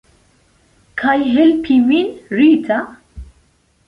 Kaj helpi vin, Rita?